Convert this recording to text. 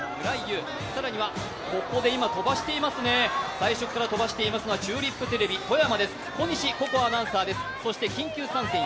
最初から飛ばしていますのがチューリップテレビ、小西鼓子アナウンサーです。